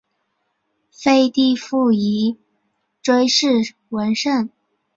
废帝溥仪追谥文慎。